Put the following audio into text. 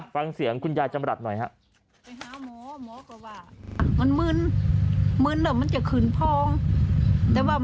ฟังเสียงคุณยายจำรัฐหน่อยครับ